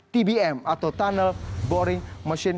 tbm atau tunnel boring machine